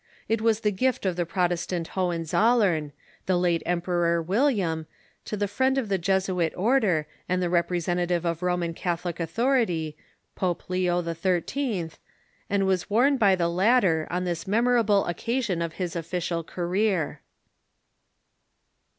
It was the gift of the Protestant Ilolienzollern, the late Emperor William, to the friend of the Jesuit order and the representative of Roman Catholic authority. Pope Leo XIII., and was worn by the lat ter on this memorable occasion of his official career.